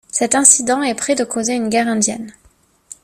Cet incident est près de causer une guerre indienne.